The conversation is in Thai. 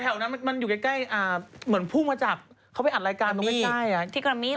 แถวนั้นมันอยู่ใกล้เหมือนพูดมาจากเขาไปอัดรายการตรงใกล้ใกล้